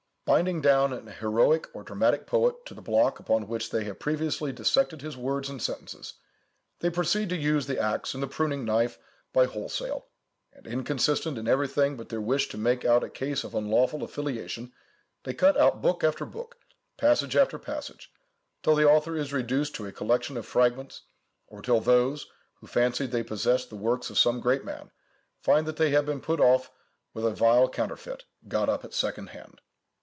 Binding down an heroic or dramatic poet to the block upon which they have previously dissected his words and sentences, they proceed to use the axe and the pruning knife by wholesale, and inconsistent in everything but their wish to make out a case of unlawful affiliation, they cut out book after book, passage after passage, till the author is reduced to a collection of fragments, or till those, who fancied they possessed the works of some great man, find that they have been put off with a vile counterfeit got up at second hand.